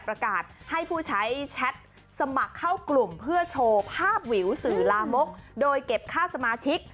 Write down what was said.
ประกาศให้ผู้ใช้แชทสมัครเข้ากลุ่มเพื่อโชว์ภาพวิวสื่อลามกโดยเก็บค่าสมาชิก